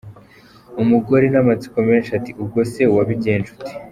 Umugore n’amatsiko menshi ati “ubwose wabigenje ute?".